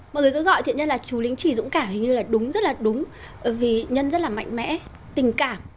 mọi người cứ gọi thiện nhân là chú lĩnh chỉ dũng cảm hình như là đúng rất là đúng vì nhân rất là mạnh mẽ tình cảm